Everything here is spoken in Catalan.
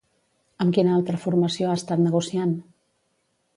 Amb quina altra formació ha estat negociant?